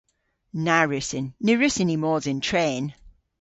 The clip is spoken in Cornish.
Na wrussyn. Ny wrussyn ni mos yn tren.